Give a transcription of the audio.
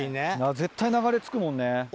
絶対流れ着くもんね。